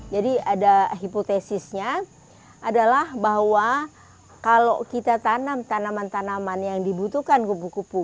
jadi ada hipotesisnya adalah bahwa kalau kita tanam tanaman tanaman yang dibutuhkan kupu kupu